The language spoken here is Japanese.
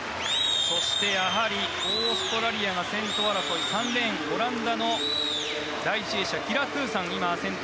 そしてオーストラリアが先頭争い３レーン、オランダの第１泳者キラ・トゥーサンが今、先頭。